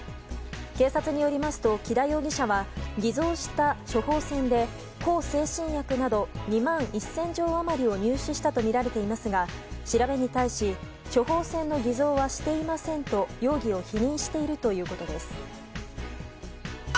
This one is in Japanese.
警察によりますと木田容疑者は偽造した処方箋で向精神薬など２万１０００錠余りを入手したとみられていますが調べに対し処方箋の偽造はしていませんと容疑を否認しているということです。